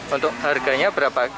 untuk harganya berapa